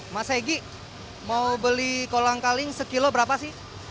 mas egy mau beli kolang kaling sekilo berapa sih